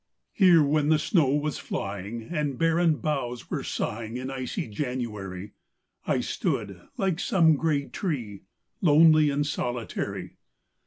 IV Here, when the snow was flying, And barren boughs were sighing, In icy January, I stood, like some gray tree, lonely and solitary.